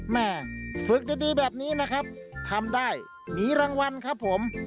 แม่ฝึกดีแบบนี้นะครับทำได้มีรางวัลครับผม